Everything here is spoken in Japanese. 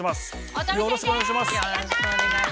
よろしくお願いします。